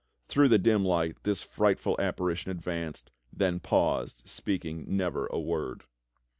Through the dim light this frightful apparition advanced, then paused, speaking never a word.